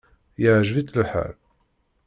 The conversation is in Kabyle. Iεǧeb-itt lḥal?